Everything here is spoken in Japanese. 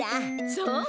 そう？